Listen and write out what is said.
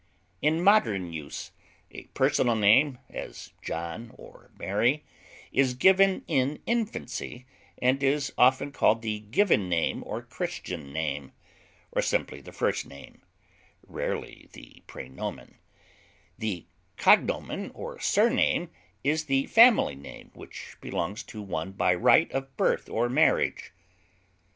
In modern use, a personal name, as John or Mary, is given in infancy, and is often called the given name or Christian name, or simply the first name (rarely the prenomen); the cognomen or surname is the family name which belongs to one by right of birth or marriage.